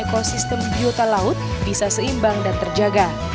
dan ekosistem biota laut bisa seimbang dan terjaga